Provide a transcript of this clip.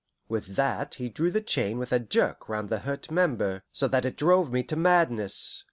With that he drew the chain with a jerk round the hurt member, so that it drove me to madness.